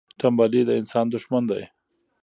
تنبلي د انسان دښمن ده.